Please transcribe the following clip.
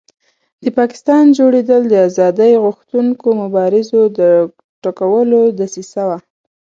د پاکستان جوړېدل د آزادۍ غوښتونکو مبارزو د ټکولو دسیسه وه.